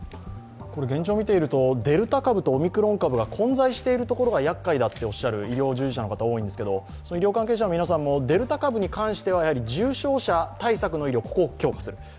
現状を見ているとデルタ株とオミクロン株は混在していることがやっかいだとおっしゃる医療従事者の方が多いんですけど医療関係者の皆さんも、デルタ株に対しては重症者対策の医療を強化する。